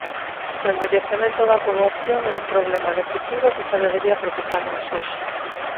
O envellecemento da poboación é un problema de futuro que xa debería preocuparnos hoxe.